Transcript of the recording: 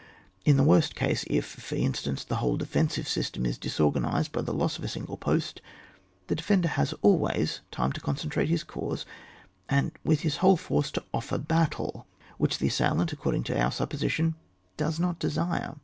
In the worst case, if, for instance, the whole defensive system is disorganised by the loss of a single post, the defender has always time to concentrate his corps, and with his whole force to offer haltUy which the assailant, according to our supposition, does not desire.